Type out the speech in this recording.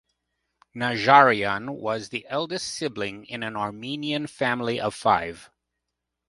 Najarian was the eldest sibling in an Armenian family of five.